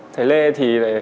thời lê thì